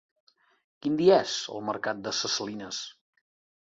Quin dia és el mercat de Ses Salines?